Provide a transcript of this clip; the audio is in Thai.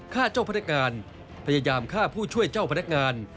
เจ้าพนักงานพยายามฆ่าผู้ช่วยเจ้าพนักงาน